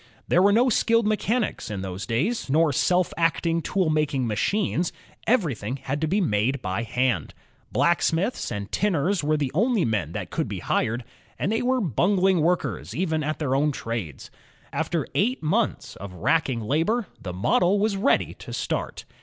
There were no skilled mechanics in those days, nor self acting tool making machines; everything had to be made by hand. Blacksmiths and tinners were the only men that could be hired, and they JAMES WATT I) were bungling workers even at their own trades. After eight months of racking labor, the model was ready to start.